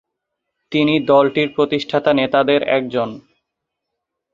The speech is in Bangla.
তিনি দলটির প্রতিষ্ঠাতা নেতাদের একজন।